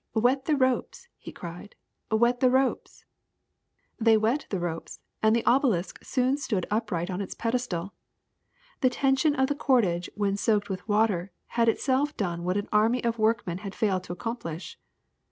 *Wet the ropes!' he cried. ^Wet the ropes!' They wet the ropes and the obelisk soon stood upright on its pedestal. The tension of the cordage when soaked with water had of itself done what an army of workmen had failed to accomplish."